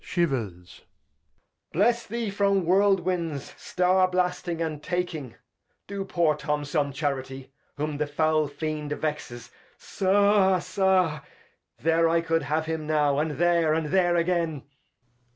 {Shivers.} Bless thee from Whirl Winds, Star blasting, and Taking : Do poor Tom some Charity, whom the foul Fiend vexes. — Sa, sa ; there I could have him now, and there, and there agen.